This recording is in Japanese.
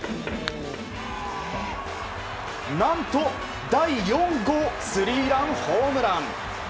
何と第４号スリーランホームラン。